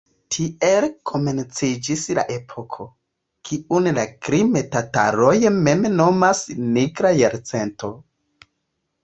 Tiel komenciĝis la epoko, kiun la krime-tataroj mem nomas "Nigra jarcento".